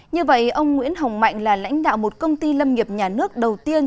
như vậy ông nguyễn hồng mạnh là lãnh đạo một công ty lâm nghiệp nhà nước đầu tiên